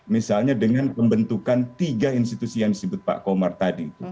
misalnya dengan pembentukan tiga institusi yang disebut pak komar tadi itu